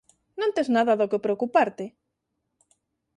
Non tes nada do que preocuparte!